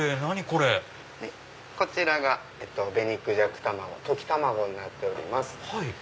こちらが紅孔雀卵溶き卵になっております。